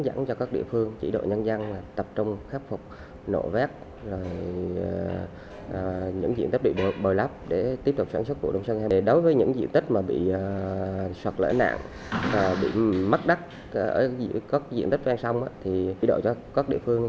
trần hoàng tân huyện nông sơn huyện nông sơn